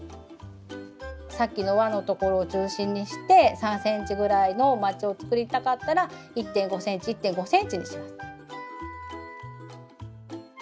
さっきのわのところを中心にして３ｃｍぐらいのまちを作りたかったら１．５ｃｍ１．５ｃｍにします。